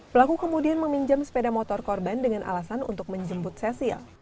pelaku kemudian meminjam sepeda motor korban dengan alasan untuk menjemput cesil